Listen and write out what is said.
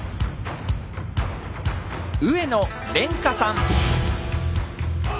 上野蓮華さん。